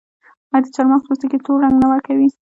آیا د چارمغز پوستکي تور رنګ نه ورکوي؟